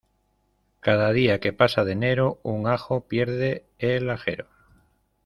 Cada día que pasa de enero, un ajo pierde el ajero.